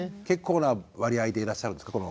結構な割合でいらっしゃるんですか。